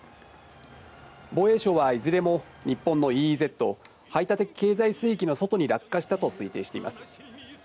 防衛省はいずれも日本のＥＥＺ・排他的経済水域の外に落下したと推定しています。